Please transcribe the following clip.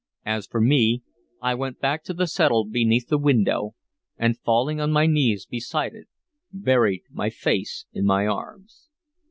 As for me, I went back to the settle beneath the window, and, falling on my knees beside it, buried my face in my arms.